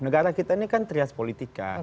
negara kita ini kan trias politika